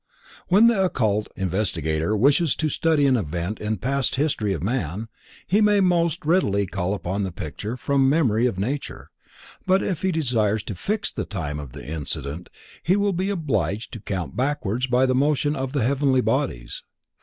When the occult investigator wishes to study an event in the past history of man, he may most readily call up the picture from the memory of nature, but if he desires to fix the time of the incident, he will be obliged to count backwards by the motion of the heavenly bodies.